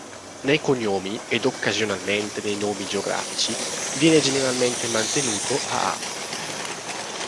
Nei cognomi, ed occasionalmente nei nomi geografici, viene generalmente mantenuto "Aa".